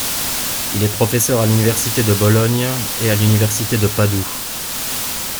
Il est professeur à l'université de Bologne et à l'université de Padoue.